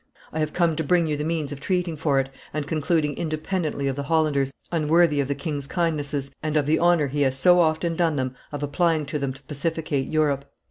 "I have come to bring you the means of treating for it, and concluding independently of the Hollanders, unworthy of the king's kindnesses and of the honor he has so often done them of applying to them to pacificate Europe."